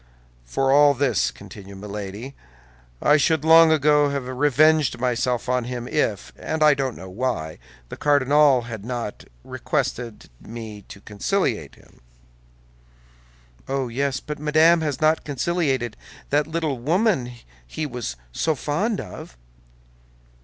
"For all this," continued Milady, "I should long ago have revenged myself on him if, and I don't know why, the cardinal had not requested me to conciliate him." "Oh, yes; but Madame has not conciliated that little woman he was so fond of."